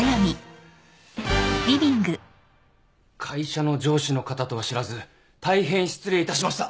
会社の上司の方とは知らず大変失礼いたしました。